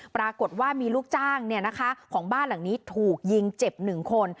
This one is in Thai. ปรากฏว่ามีลูกจ้างของบ้านหลังนี้ถูกยิงเจ็บ๑คน